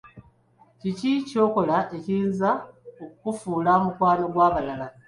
Kiki kyokola ekiyinza okukufuula mukwano gw'abalala?